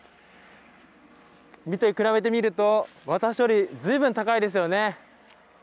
見て比べてみると私より随分高いですよね。